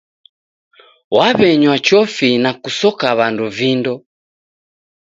W'aw'eanywa chofi na kusoka w'andu vindo.